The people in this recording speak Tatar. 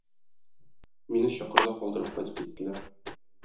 Мине чокырда калдырып кайтып киттеләр.